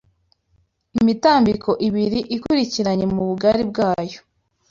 imitambiko ibiri ikurikiranye mu bugari bwayo